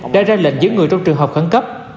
đã ra lệnh giữ người trong trường hợp khẩn cấp